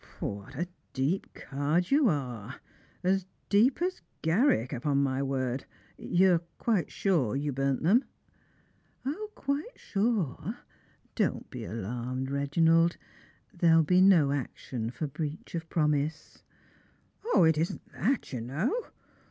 " What a deep card you ar^ !— as deep as Garrick, upon my word. You're quite sure you buiTit them ?"" Quite sure. Don't be alarmed, Eeginald. There will be no action for breach of promise." " 0, it isn't that, you know.